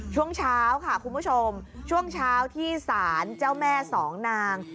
ช่วงเช้าค่ะคุณผู้ชมช่วงเช้าที่ศาลเจ้าแม่สองนาง